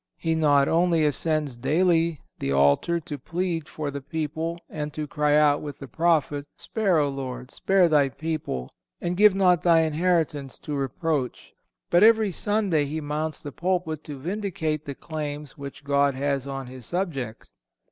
He not only ascends daily the altar to plead for the people and to cry out with the prophet, "Spare, O Lord, spare Thy people, and give not Thy inheritance to reproach;" but every Sunday he mounts the pulpit to vindicate the claims which God has on His subjects.